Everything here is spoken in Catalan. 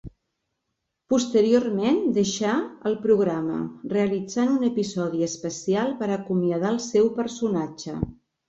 Posteriorment deixà el programa, realitzant un episodi especial per acomiadar el seu personatge.